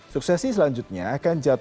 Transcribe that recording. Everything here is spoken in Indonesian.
suksesi selanjutnya akan jatuhkan